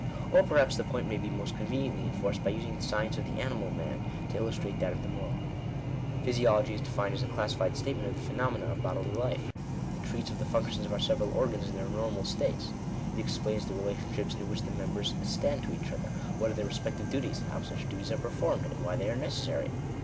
Or perhaps the point may be most conveniently enforced, by using the science of the animal man, to illustrate that of the moral man. Physiology is defined as a classified statement of Digitized by VjOOQIC 5a DEFINITION OF MORALITY. the phenomena of bodily life. It treats of the functions of our several organs in their normal states. It explains the relation ships in which the members stand to each other — what are their respective duties — how such duties are performed, and why they are necessary.